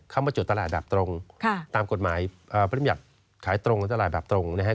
เข้ามาจุดตลาดแบบตรงตามกฎหมายพฤมยาตร์ขายตรงตลาดแบบตรงนะครับ